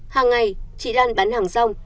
hàng ngày chị lan bán hàng rong